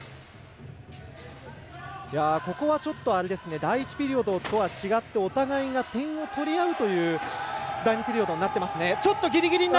ここはちょっと第１ピリオドとは違ってお互いが点を取り合うという第２ピリオドになっています。